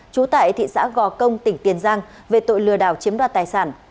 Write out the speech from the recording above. trú tại thị xã gò công tỉnh tiền giang về tội lừa đảo chiếm đoạt tài sản